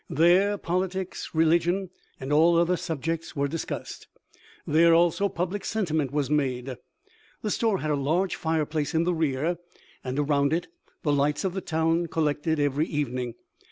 There politics, religion, and all other subjects were dis cussed. There also public sentiment was made. The store had a large fire place in the rear, and around it the lights of the town collected every evening.